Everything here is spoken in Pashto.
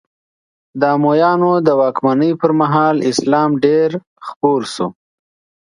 د امویانو د واکمنۍ پر مهال اسلام ډېر خپور شو.